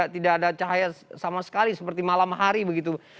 tidak ada cahaya sama sekali seperti malam hari begitu